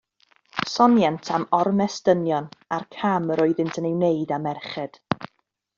Sonient am ormes dynion a'r cam yr oeddynt yn ei wneud â merched.